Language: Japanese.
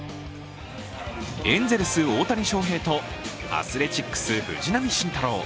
エンゼルス・大谷翔平とアスレチックス・藤浪晋太郎。